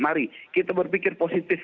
mari kita berpikir positif